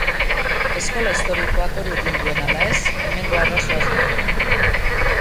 Eskola Historikoak hori egin duen ala ez, hemengo arazoa ez da.